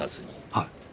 はい。